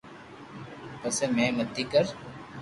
پسي بي متي ڪر